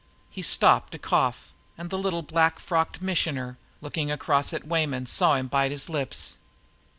He stopped to cough, and the little black frocked missioner, looking across at Weyman, saw him bite his lips.